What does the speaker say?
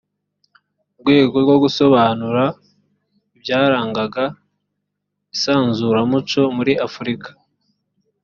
rwego rwo gusobanura ibyarangaga isanzuramuco muri afurika